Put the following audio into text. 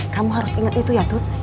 kamu harus ingat itu ya tut